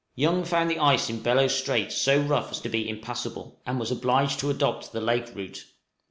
Young found the ice in Bellot Strait so rough as to be impassable, and was obliged to adopt the lake route.